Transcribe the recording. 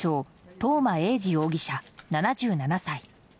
東間永次容疑者、７７歳。